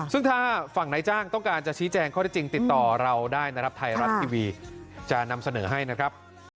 ซึ่งถ้าฝั่งนายจ้างต้องการจะชี้แจงข้อได้จริงติดต่อเราได้นะครับไทยรัฐทีวีจะนำเสนอให้นะครับ